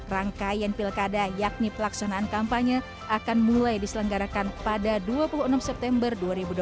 rangkaian pilkada yakni pelaksanaan kampanye akan mulai diselenggarakan pada dua puluh enam september dua ribu dua puluh